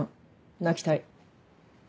泣きたい。